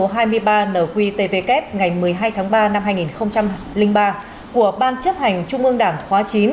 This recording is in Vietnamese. tổng kết hai mươi ba nqtvk ngày một mươi hai tháng ba năm hai nghìn ba của ban chấp hành trung ương đảng khóa chín